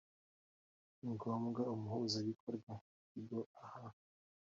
ngombwa Umuhuzabikorwa w Ikigo aha